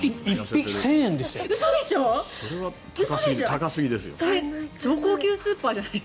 １匹１０００円ですよ。